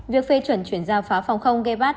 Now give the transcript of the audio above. việc phê chuẩn chuyển giao pháo phòng không gepard